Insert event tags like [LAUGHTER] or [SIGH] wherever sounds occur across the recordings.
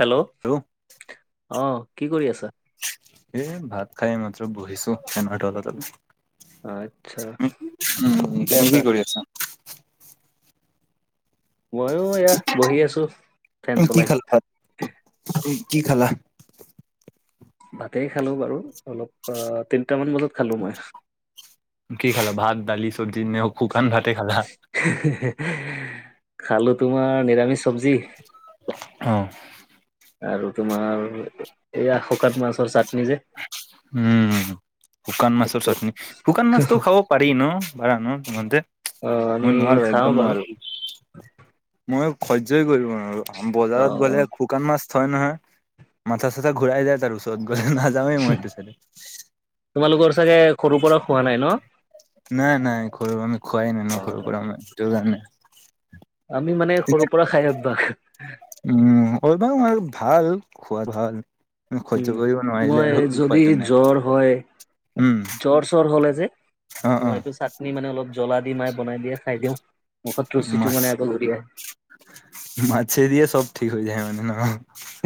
Hello? আৰু ' অঁ কি কৰি আছা? এ ভাত খাই মাত্ৰ বহিছো ফেনৰ তলত আচ্ছা অলপমান। উ উম, তুমি কি কৰি আছা? মইও এয়াত বহি আছো, ফেন চলাই। তুমি কি খালা? ভাতেই খালো বাৰু অলপ, অ তিনটামান বজাত খালো মই। কি খালা? ভাত, দালি, চব্জি এনে শুকান ভাতে খালা? হেহেহে হেহ, খালো তোমাৰ নিৰামিষ চব্জি। অ। আৰু তোমাৰ এইয়া শকাত মাছৰ চাটনি যে। উম শুকান মাছৰ চাটনি, শুকান মাছটোও খাব পাৰি ন, [INAUDIBLE] নদীত অ আমি মই নোৱাৰোঁ খাওঁ একদম বাৰু নোৱাৰো। মই সহ্যই কৰিব নোৱাৰো, অ বজাৰত অ। গ'লে শুকান মাছ থয় নহয়, মাথা চাথা ঘূৰাই যায় তাৰ ওচৰত গ'লে নাযাওঁৱেই মই সেওটো চাইডে তোমালোকৰ চাগে সৰুৰ পৰা খোৱা নাই ন? নাই নাই, সৰুৰ পৰা খোৱাই নাই সৰু অ। পৰা আমাৰ [INAUDIBLE] আমি মানে সৰুৰ পৰা খাই অভ্যাস। উম হব আৰু ভাল খোৱাৰ ভাল। সহ্য উম, কৰিব নোৱাৰিলে মই আৰু যদি উপায়টো নাই। জ্বৰ হয় উম, জ্বৰ চৰ হ'ল যে, অ', মই অ', এইটো চা নি মানে অলপ জ্বলা দি মাই বনাই দিয়ে খাই দিওঁ, মুখত ৰচিটো মানে আগ লৰি আহে। মাছে দিয়ে চব ঠিক হৈ যায় মানে ন?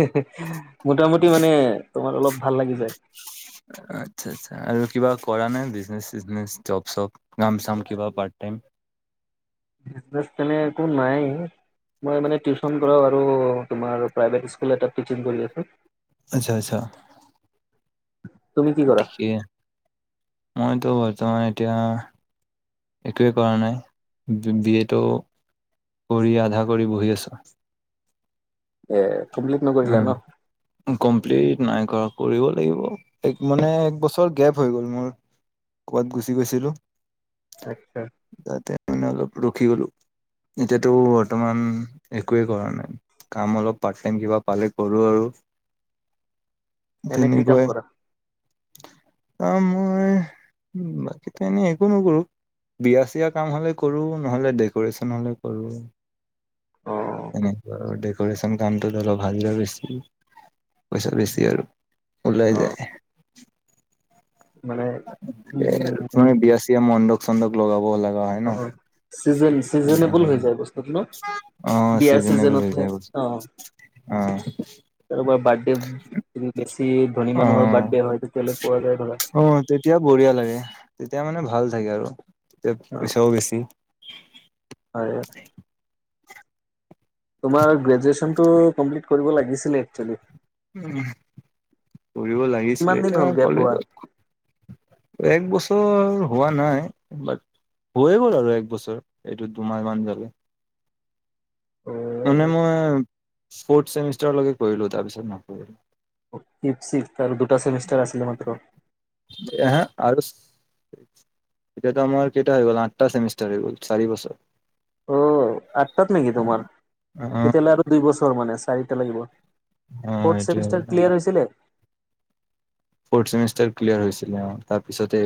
হেহেহ মোটামুটি মানে তোমাৰ অলপ ভাল লাগি যায়। আচ্ছা আচ্ছা আৰু কিবা কৰা নাই বিজনেচ - চিজনেচ, জব - চব? কাম - চাম কিবা পাৰ্ট টাইম। বিজনেছ তেনে একো নাই। মই মানে টিউচন কৰাও আৰু তোমাৰ প্ৰাইভেট স্কুল এটাক টিছিং কৰি আছোঁ। আচ্ছা আচ্ছা। তুমি কি কৰা? ঠিকে। মইতো বৰ্তমান এতিয়া একোৱে কৰা নাই। বি এ ত' কৰি আধা কৰি বহি আছো। এ, কমপ্লিট নকৰিলা উম, ন? কমপ্লিট নাই কৰা, কৰিব লাগিব। এক মানে এক বছৰ গেপ হৈ গ'ল মোৰ, ক'ৰবাত গুচি গৈছিলোঁ। আচ্ছা। তাতে নে অলপ ৰখি গলো। এতিয়াতো বৰ্তমান একোৱেই কৰা নাই, কাম অলপ পাৰ্ট টাইম কিবা। পালে কৰোঁ আৰু এনে কি কাম তেনেকুৱাই। কৰা? আহ মই বাকীতো এনেই একো নকৰো। বিয়া চিয়া কাম হ'লে কৰো, নহলে ডেক'ৰেশচন হ'লে কৰো। অ' এনেকুৱা আৰু ডেক'ৰেশ্যন কামটোত অলপ হাজিৰা বেছি, পইচা বেছি আৰু। ওলাই অ' যায়। মানে? উম। [UNINTELLIGIBLE] চন্দক লগাব লাগা হয়। ন অ অ। চিজেঞ্চ চিজেনিবোল তেনেকে হৈ যায় বস্তুটো ন। অ বিয়া চিজনেবল হৈ চিজনতহে। যায় বস্তু অ। অ [UNINTELLIGIBLE] বাৰ্ত ডে বেছি ধনী মানুহৰ বাৰ্ত ডে হয়। তেতিয়াহ'লে পোৱা যায় ধৰা। অ অ তেতিয়া বঢ়িয়া লাগে। তেতিয়া মানে ভাল থাকে আৰু তেতিয়া অ' পইচাও বেছি। হয়। তোমাৰ গ্ৰেজুৱেচনটো কমপ্লিট কৰিব লাগিছিলে একচোৱেলি। কৰিব কিমান লাগিছিলে। দিন হ'ল এতিয়া কলেজত [UNINTELLIGIBLE] এক বছৰ হোৱা নাই। বাট, হৈয়ে গ'ল আৰু এক বছৰ। এইটো দুমাহমান গালে। মানে মই স্পৰ্তচেমিষ্টাৰলৈকে কৰিলো, তাৰপিছত নকৰিলোঁ। ফিভ, ছিক্স আৰু দুটা চেমিষ্টাৰ আছিল মাত্ৰ। এহে আৰু এতিয়াতো আমাৰ কেইটা হৈ গল? আঠটা চেমিষ্টাৰ হৈ গল, চাৰি বছৰ। অ। আঠটাত নেকি অ তোমাৰ? অ। [UNINTELLIGIBLE] লৰাটো দুই বছৰ মানে। চাৰিটা লাগিব। ফৰ্থ চেমিষ্টাৰ এইটোৱে ক্লিয়াৰ হৈছিলে? ফৰ্থ চেমিষ্টাৰ ক্লিয়াৰ হৈছিলে অ, তাৰপিছতে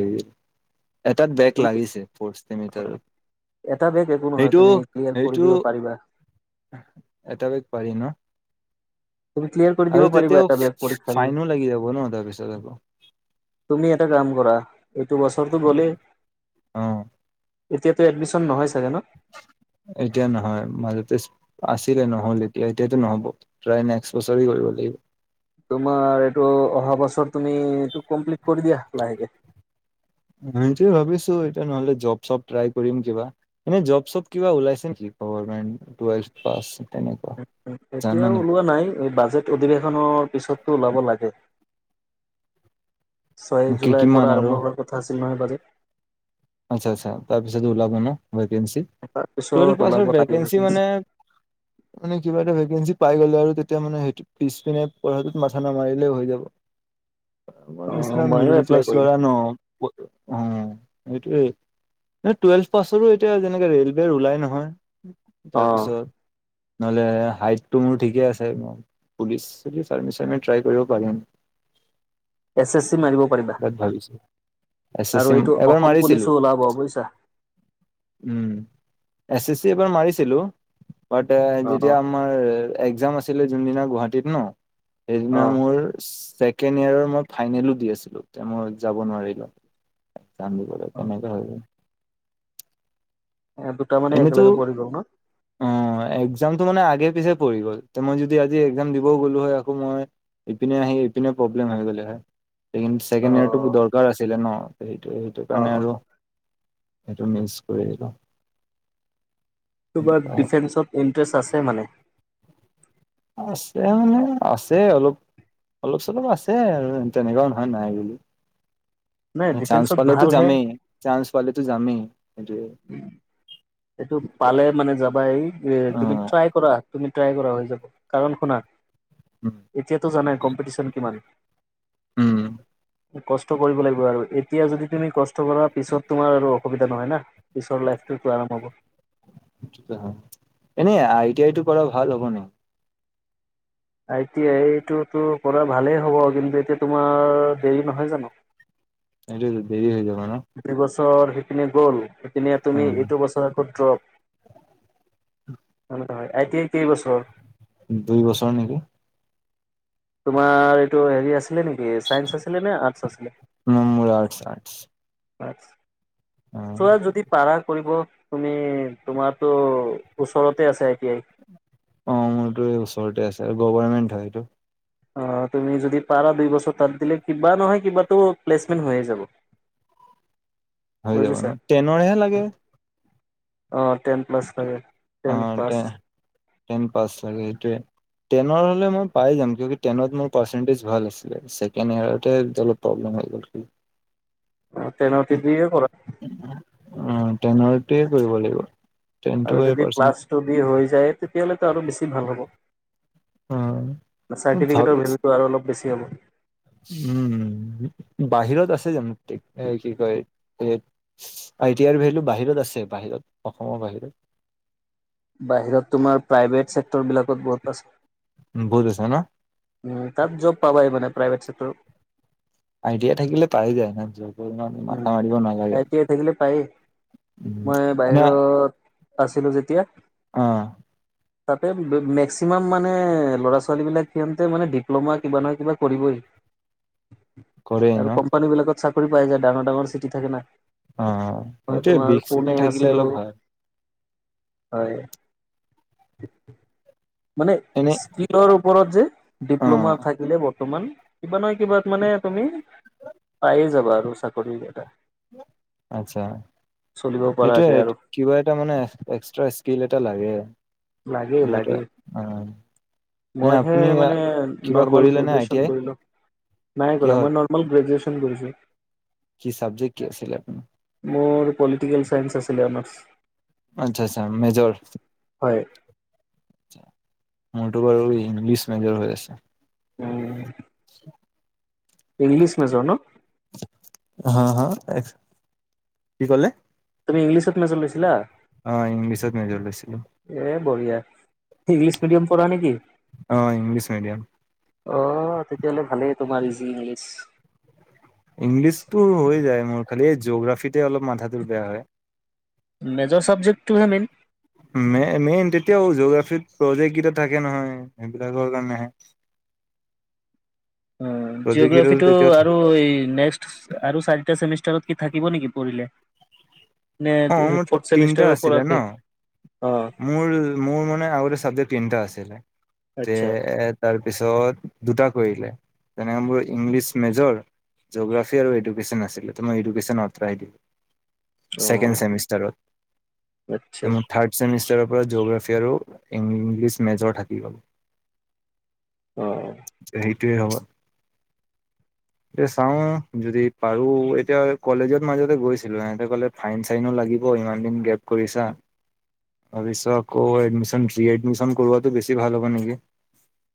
এটাত বেগ তুমি লাগিছে ফৰ্থ চেমিটাৰ। এটা বেগ একো নহয়, তুমি ক্লিয়াৰ কৰি সেইটো দিব পাৰিবা। এটা বেগ পাৰি ন? তুমি ক্লিয়াৰ কৰি দিব আৰু পাৰিবা, তেতিয়াও এটা বেগ পৰীক্ষা দি? ফাইনো লাগি যাব ন তাৰপিছত আকৌ তুমি এটা কাম কৰা, এইটো বছৰটো গলে। অ এতিয়াতো এডমিশন নহয় ছাগে ন? এতিয়া নহয় মাজতে আছিলে। নহল এতিয়া এতিয়াতো নহ'ব। প্ৰায় নেক্স বছৰি কৰিব লাগিব। তোমাৰ এইটো অহা বছৰ তুমি এইটো কমপ্লিট কৰি দিয়া, লাহেকে। মানে সেইটো ভাবিছো এতিয়া নহলে জৰ্ব চব ট্ৰাই কৰিম কিবা। এনে জৰ্ব-চব কিবা ওলাইছে নেকি গমেন্ট টুৱেল পাছ। তেনেকুৱা জানা এতিয়াও নেকি ওলোৱা নাই এই বাজেট অধিৱেশনৰ পিছতো ওলাব লাগে। ছয় কি জুলাইৰ কিমান পৰা আৰু আৰম্ভ হোৱাৰ কথা আছিল নহয় বাজেট। আচ্ছা আচ্ছা তাৰ পিছত ওলাব ন ভেকেঞ্চি? টুৱেলভ তাৰপিছত পাছৰ ওলাব তাৰে ভেকেঞ্চি। মানে মানে কিবা এটা ভেকেঞ্চি পাই গ'লে আৰু তেতিয়া মানে সেইটো। পিছ পিনে পঢ়াটো মাথা না মাৰিলেও হৈ যাব। মোৰ অ' নিচিনা ময়ো মিডিল এপ্লাই ক্লাছ কৰিম। লৰা ন‌ প উম সেইটোৱে টুৱেলভ পাছৰো এতিয়া যেনেকে ৰেলৱেৰ ওলাই নহয়। অ' তাৰপিছত নহলে হাইট টো মোৰ ঠিকে আছে। পুলিচ চুলিচ চাৰ্মিচমি ট্ৰাই কৰিব পাৰিম। এছ এছ চি মাৰিব পাৰিবা। তাত ভাবিছো এছ এছ আৰু চি এইটো এবাৰ অসম পুলিচ মাৰিছিলো ওলাব বুজিছা। উম এছ এছ চি এবাৰ মাৰিছিলো বাট যেতিয়া। অ' তোমাৰ একজাম আছিলে যোন দিনা গুৱাহাটী ন সেইদিনা অ' মোৰ ছেক ছেকেণ্ড ইয়েৰৰ মই ফাইনেল দি আছিলোঁ তে মই যাব নোৱাৰিলোঁ। একজাম দিবলে তেনেকে হৈ যায়- এ দুটা মানে একেলগে পৰি গল ন? অহ একজামতটো মানে আগে পিছে পৰি গ'ল তে মই যদি আজি একজাম দিবও গ'লো হয় আকৌ মই। ইপিনে আহি সিপিনে প্ৰব্লেম আহি গ'লে হয়। ‌লেকিন ছেকেণ্ড ইয়েৰটো অ' দৰকাৰ আছিলে ন সেইটো সেইটো অ' কাৰণে অ' আৰু। সেইটো মিচ কৰি দিলো। তোৰ বাৰু ডিফেন্সত ইণ্টাৰেষ্ট আছে মানে? আছে মানে আছে অলপ। অলপ-চলপ আছে আৰু তেনেকুৱাও নহয় নাই বুলি। নাই চান্স ডিফেন্সত পালেতো ভাল হে যামেই চান্স পালেতো যামেই। সেইটোৱে উম এইটো পালে মানে যাবা এই তুমি অ', ট্ৰাই। কৰা তুমি ট্ৰাই কৰা হৈ যাব কাৰণ শুনা উম। এতিয়াতো জানাই কম্পিটিশন কিমান। উম। কষ্ট কৰিব লাগিব আৰু এতিয়া যদি তুমি কষ্ট কৰাৰ পিছত তোমাৰ আৰু অসুবিধা নহয় না। পিছৰ লাইফটো আৰাম হ'ব সেইটোৱে সম এনে আই টি আই টো কৰা ভাল হব নেকি আই টি আইটোতো কৰা ভালেই হ'ব কিন্তু এতিয়া তোমাৰ দেৰি নহয় জানো এইটোতো দেৰি হৈ যাব ন। দুই বছৰ সেইখিনি গ'ল সেইখিনি তুমি এইটো বছৰ আকৌ ড্ৰপ নহয় নহয় আই টি আই কেইবছৰ দুই বছৰ নেকি। তোমাৰ এইটো হেৰি আছিলে নেকি চাইেস আছিলে নে আৰ্টচ আছিলে। মো মো আৰ্টছ আৰ্টছ হয়‌ অ', তই আৰু জয়দ্বীপ। পাৰা কৰিব তুমি তোমাতো ওচৰতে আছে আই টি আই। অ মোৰতো এই ওচৰতে আছে আৰু গভাৰমেণ্ট হয় এইটো। অ তুমি যদি পাৰা দুই বছৰ তাত দিলে কিবা নহয় কিবাটো প্লেচমেণ্ট হৈয়ে যাব। [UNINTELLIGIBLE] হৈ যাব বুজিছা। ন টেনৰহে লাগে। অৱ টেন প্লাছ লাগে, অ টেন পাছ। টে টেন পাছ লাগে সেইটোৱে। টেনৰ হ'লে মই পাই যাম কিয় টেনত মোৰ পাৰ্চেণ্টেজ ভাল আছিলে, ছেকেণ্ড ইয়াৰতে অলপ প্ৰব্লেম হৈ গ'ল কি? অ তেনতি এ কৰা। অ তেনৰটিয়ে কৰিব লাগিব। টেনটো আৰু যদি পাৰ্চেণ্ট ক্লাছ টু দি হৈ যায় তেতিয়াহ'লে আৰু বেছি ভাল হ'ব। অ ভাল চাৰ্টিফিকেটৰ ভেলুটো আৰু অলপ বেছি হ'ব। উম বাহিৰত আছে জানো, যেনো ঠিক এ কি কয় আই টি আৰ ভেলু বাহিৰত আছে বাহিৰত অসমৰ বাহিৰত? বাহিৰত তোমাৰ প্ৰাইভেট চেক্টৰ বিলাকত বহুত আছে। বহুত আছে ন। তাত জব পাবাই মানে প্ৰাইভেট চেক্টৰত। আই টি আই থাকিলে পাই যায় আৰামচে। উম আই টি আই থাকিলে পায় এই। উম, মই মানে বাহিৰত আছিলো যেতিয়া অ', তাতে মেক্সিমাম মানে ল'ৰা ছোৱালী বিলাক সিহতে মানে ডিপ্ল'মা কিবা নহয় কিবা কৰিবই। কৰে আৰু ন? কোম্পানী বিলাকত চাকৰি পাই যায় ডাঙৰ ডাঙৰ চিটি থাকে না। অ', মই এইটোয়ে তোমাৰ বিষ পুনে চিটি থাকিলে আছিলো। অলপ ভাল। হয়, মানে এনে স্ত্ৰিপ স্কিলৰ ওপৰত যে ডিপ্ল'মা অ', থাকিলে বৰ্তমান কিবা নহয় কিবা মানে তুমি পাই যাবা আৰু চাকৰি এটা। আচ্ছা, চলিব এইটোয়ে পৰাকে আৰু কিবা এটা মানে এক্সট্ৰা স্কিল এটা লাগে লাগে কিবা এটা লাগে এৱ মইহে মানে নৰ্মেল কৰিলে নে আই টি গ্ৰেজুৱেচন আই কৰিলোঁ নাই কৰা। কিহত? মই গ্ৰেজুুৱেচন কৰিছোঁ। কি চাব্জেকট কি আছিলে আপোনাৰ? মোৰ পলিটিকেল চাইেস আছিলে অনাৰ্চ। আচ্ছা আচ্ছা মেজৰ। হয়। মূৰটো বাৰু ইংলিছ মেজৰ হৈ আছে। উম। [INAUDIBLE] ইংলিছ মেজৰ ন! হা হা কি ক'লে? তুমি ইংলিছত মেজৰ লৈছিলা? অৱ ইংলিছত মেজৰ লৈছিলো। এ বঢ়িয়া ইংলিছ মিডিয়াম পঢ়া নেকি? অ', ইংলিছ মিডিয়াম। অ তেতিয়াহ'লে ভালেই তোমাৰ ইজি ইংলিছ। ইংলিছতটো হৈ যায় মোৰ খালি এই জিঅগ্ৰাফিতে অলপ মাথাটোৰ বেয়া হয়। মেজৰ চাব্জেকট টোহে মেইন? মেই মেইন তেতিয়াও জিওগ্ৰাফীত প্ৰজেক্ট কেইটা থাকে নহয় সেইবিলাকৰ কাৰণে আহে। প্ৰজেক্ট কেইটা জিঅগ্ৰাফিটো তেতিয়া আৰু এই নেক্সত। আৰু চাৰিটা চেমিষ্টাৰত কি থাকিব নেকি পঢ়িলে। নে অ মোৰ ফৰ্থ তিনিটা চেমিষ্টাৰৰ পৰা আছিলে শেষ? ন অ', মোৰ মোৰ মানে আগতে চাবজেক্ট তিনিটা আছিলে যে আচ্ছা তাৰপিছত দুটা কৰিলে তেনেকে মোৰ ইংলিছ মেজৰ। জি'গ্ৰাফী আৰু এডুকেশ্যন আছিলে তোমাৰ এডুকেশ্যন আঁতৰাই দিলে অ'। ছেকেণ্ড চেমিষ্টাৰত। আচ্ছা। থাৰ্ড চেমিষ্টাৰৰ পৰা জি'গ্ৰাফি আৰু ইংলিছ মেজৰ থাকি গল। অ। সেইটোয়ে হ'ব। এতিয়া চাও যদি পাৰো এতিয়া কলেজত মাজতে গৈছিলো হেহতে কলে। ফাইন চাইনো লাগিব ইমান দিন গেপ কৰিছা। ভাবি চোৱা আকৌ এডমিশন ফ্ৰী এডমিশন কৰোৱাটো বেছি ভাল হ'ব নেকি?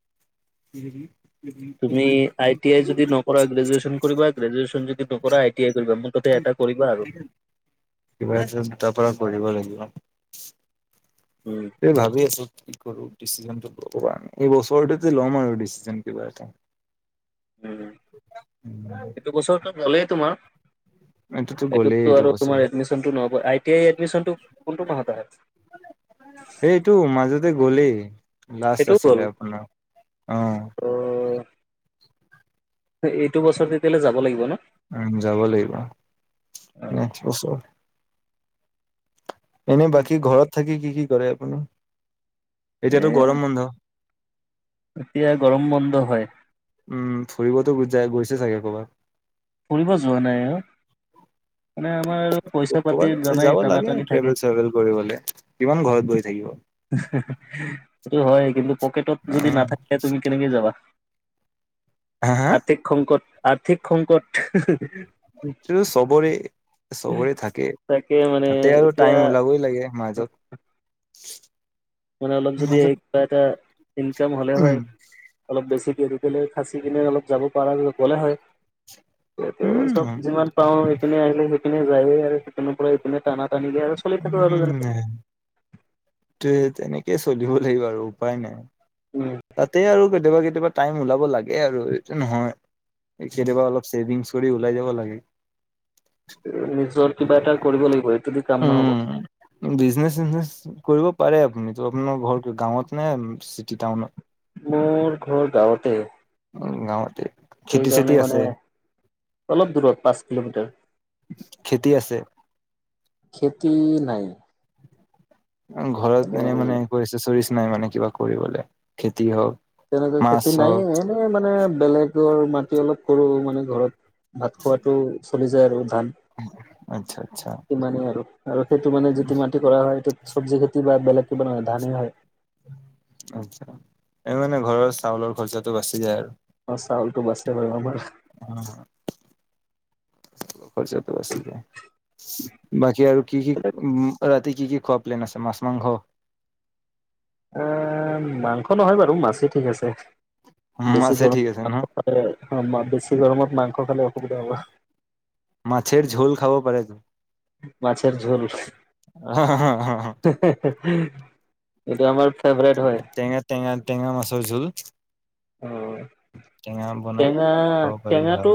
[UNINTELLIGIBLE] তুমি আই টি আই যদি নকৰা গ্ৰেজুৱে্যন কৰিবা গ্ৰজুৱেচন যদি নকৰা আই টি আই কৰিবা। মুঠতে এটা কৰিবা আৰু। কিবা এটা দুটাৰ পৰা কৰিব লাগিব। উম। এই ভাবি আছো। কি কৰো ডিচিশনটো লব নাই এই বছৰটোতে ল'ম আৰু দিছিচিজন কিবা এটা। উম। [INAUDIBLE] ভালে তোমাৰ? এইটোতো এইটো গ'লেই আৰু বছৰ তোমাৰ এডমিশ্যনটো নহব আঁই টি আই এডমিশনটো কোনটো মাহত আহে? এইটো মাজতে গ'লেই লাষ্ট আছিলে আপোনাৰ অ। ত' এইটো বছৰত তেতিয়া হলে যাব লাগিব ন? উ যাব লাগিব অ', নেক্সট বছৰ। এনে বাকী ঘৰত থাকি কি কি কৰে আপুনি? এতিয়াতো এয়া গৰম বন্ধ? এতিয়া গৰম বন্ধ হয়। উম ফুৰিবতো জা গৈছে চাগে কৰ'বাত? ফুৰিব যোৱা নাই অ? মানে আমাৰ আৰু পইচা পাতি ক'বাত যাব জানাই টানা লাগে টানি থাকে। ট্ৰেভেল চেভেল কৰিবলে কিমান ঘৰত বহি থাকিব অ সেইটো হয় কিন্তু পকেটত যদি নাথাকে তুমি কেনেকে যাবা? হা হা? আৰ্থিক সংকট আৰ্থিক সংকট। চবৰে চবৰে থাকে। তাকে মানে তাতে আৰু এতিয়া টাইম ওলাবই লাগে মাজত। মানে অলপ যদি মাজত কিবা এটা ইনকাম হ'লে হয় উম অলপ বেছিকৈ আৰু। খাচি কিনে অলপ যাব পৰা গ'লে হয় স চব উম যিমান। পাও সেইনে আহিলে সেইখিননে যায়ে আৰু সেইখিনৰ পৰা এইপিনে টানা টানিলে আৰু। চলি থাকো আৰু উম যেনেকে ত তেনেকেই চলিব লাগিব আৰু উপায় নাই। তাতে আৰু কেতিয়াবা কেতিয়াবা। টাইম ওলাব লাগে আৰু এইটো নহয় কেতিয়াবা অলপ ছেভিংছ কৰি ওলাই যাব লাগে। নিজৰ কিবা এটা কৰিব লাগিব এইটোদি কাম নহব উম বিজনেচ চিজনেচ কৰিব পাৰে আপুনি তো আপোনাৰ ঘৰ গাঁৱত নে চিটি টাউনত মোৰ ঘৰ গাঁৱতে উম গাঁৱতে সেই খেতি চেতি কাৰণে মানে আছে অলপ দূৰত পাঁচ কিলোমিটাৰ খেতি আছে খেতি নাই এ ঘৰত এনে এনেই মানে কৰিছে চৰিচ নাই মানে কিবা কৰিবলে খেতি হওক তেনেকৈ মাছ খেতি নাইে হওক এনে মানে বেলেগৰ মাটি অলপ কৰু মানে ঘৰত ভাত খোৱাটো চলি যায় আৰু আচ্ছা আচ্ছা তাত। ইমানেই আৰু আৰু সেইটো মানে যিটো মাটি কৰা হয় সেইটো চব জেগাত কিবা বেলেগ কিবা নহয় ধানেই হয়। আচ্ছা এই মানে ঘৰৰ চাউলৰ খৰচাটো বাচি যায় আৰু। অ চাউলটো বাছে বাৰু আমাৰ অ খৰচাটো বাছি যায় বাকী আৰু কি কি উম ৰাতি কি কি খোৱা প্লেন আছে মাছ মাংস এ মাংস নহয় বাৰু মাছেই ঠিক আছে বেছি মাছে গৰম ঠিক আছে ন এ অ মা বেছি গৰমত মাংস খালে অসুবিধা হ'ব মাছেৰ ঝোল খাব পাৰেটো মাছেৰ ঝোল এইটো আমাৰ ফেভৰেট হয় টেঙা টেঙা টেঙা মাছৰ জোল অ টঙন [UNINTELLIGIBLE] টেঙা টেঙাটো